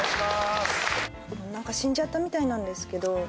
何か死んじゃったみたいなんですけど。